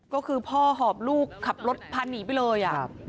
ก็คือพ่อหอบลูกขับรถพาหนีไปเลย